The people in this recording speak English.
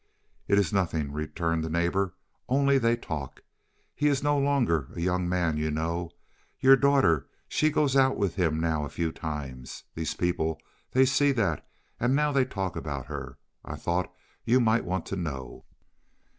"It is nothing," returned the neighbor, "only they talk. He is no longer a young man, you know. Your daughter, she goes out with him now a few times. These people, they see that, and now they talk about her. I thought you might want to know."